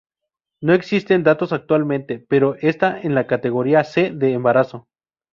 No existen datos actualmente, pero está en la categoría C de embarazo.